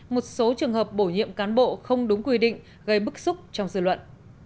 một số trường hợp bổ nhiệm cán bộ không đúng quy định gây bức xúc trong dư luận